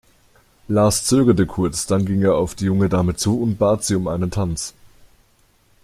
Lars zögerte kurz, dann ging er auf die junge Dame zu und bat sie um einen Tanz.